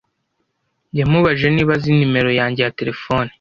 Yamubajije niba azi nimero yanjye ya terefone